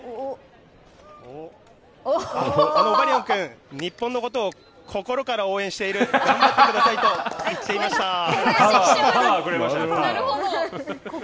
オバリオン君、日本のことを心から応援している、頑張ってくださ小林記者は、なるほど。